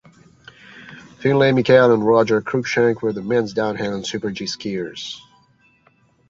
Finlay Mickel and Roger Cruickshank were the men's downhill and super-G skiers.